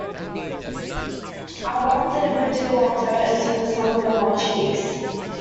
I rubbed a good deal of dirt into the sunburn of my cheeks.